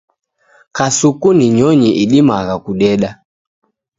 Kasuku ni nyonyi idimagha kudeda